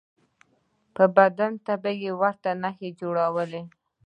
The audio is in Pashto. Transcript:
په بدن به یې ورته نښه جوړوله.